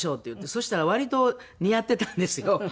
そしたら割と似合ってたんですよ。